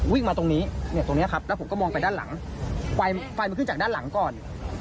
วิ่งมาตรงนี้เนี่ยตรงนี้ครับแล้วผมก็มองไปด้านหลังไฟมันขึ้นจากด้านหลังก่อน